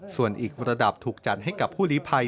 ส่วนอีกระดับถูกจัดให้กับผู้ลีภัย